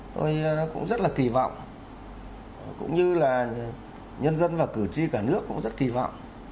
tôi cũng rất là kỳ vọng cũng như là nhân dân và cử tri cả nước cũng rất kỳ vọng